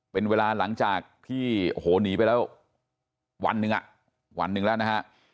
เป็นเวลาหลังจากที่โอ้โหหนีไปแล้ววันหนึ่งอ่ะวันหนึ่งแล้วนะฮะ